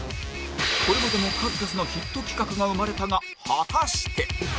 これまでも数々のヒット企画が生まれたが果たして